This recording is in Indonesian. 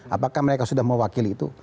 apakah mereka sudah mewakili itu